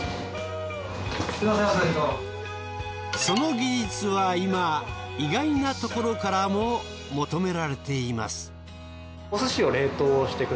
その技術は今意外なところからも求められています。